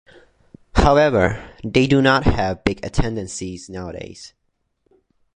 However, they do not have big attendances nowadays.